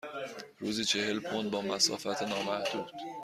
روزی چهل پوند با مسافت نامحدود.